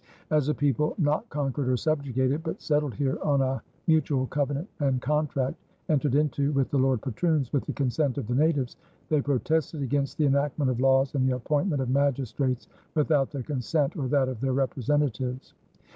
As a people "not conquered or subjugated, but settled here on a mutual covenant and contract entered into with the Lord Patroons, with the consent of the Natives," they protested against the enactment of laws and the appointment of magistrates without their consent or that of their representatives.